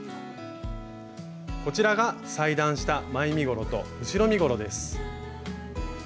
こちらが裁断した前身ごろと後ろ身ごろです。